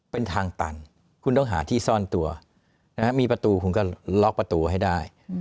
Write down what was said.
เป็นทางตันคุณต้องหาที่ซ่อนตัวมีประตูคุณก็ล็อกประตูให้ได้